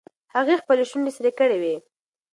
هغې خپلې شونډې سرې کړې وې.